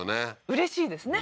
うれしいですね